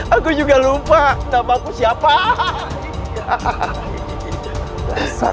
aku juga lupa nama aku siapa